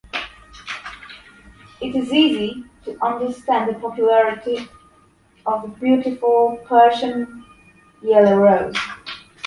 It is easy to understand the popularity of the beautiful Persian Yellow Rose.